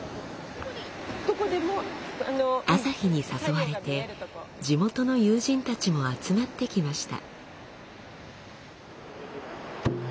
朝日に誘われて地元の友人たちも集まってきました。